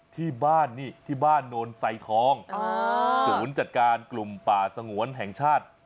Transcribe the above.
ที่บ้านนี่ที่บ้านโนนไซทองศูนย์จัดการกลุ่มป่าสงวนแห่งชาติ